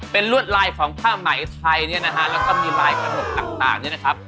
เป็นลวดลายของผ้าไหมไทยและก็มีลายขนมต่างนะครับ